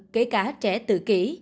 kể cả trẻ tự kỷ